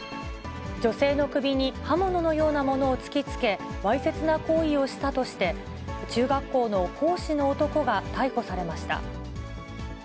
女性の首に刃物のようなものを突きつけ、わいせつな行為をしたとして、中学校の講師の男が逮捕されました。